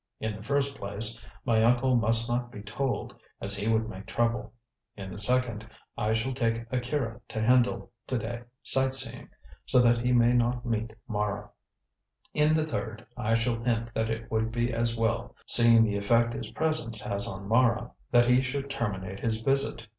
"In the first place, my uncle must not be told, as he would make trouble. In the second, I shall take Akira to Hendle to day sightseeing, so that he may not meet Mara. In the third, I shall hint that it would be as well, seeing the effect his presence has on Mara, that he should terminate his visit.